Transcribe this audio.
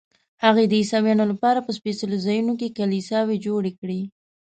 هغې د عیسویانو لپاره په سپېڅلو ځایونو کې کلیساوې جوړې کړې.